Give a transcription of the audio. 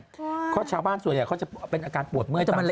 เพราะชาวบ้านส่วนใหญ่เขาจะเป็นอาการปวดเมื่อยตาม